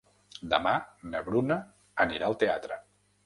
Demà na Bruna anirà al teatre.